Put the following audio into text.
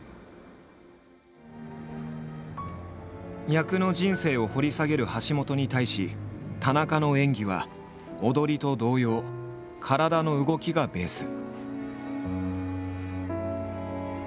役の人生を掘り下げる橋本に対し田中の演技は踊りと同様「体の動き」がベース。